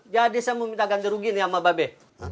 jadi saya mau minta ganti rugi nih sama babe